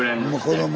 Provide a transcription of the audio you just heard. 子ども！